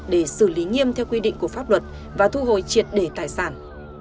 để xử lý nghiêm theo quy định của pháp luật và thu hồi triệt để tài sản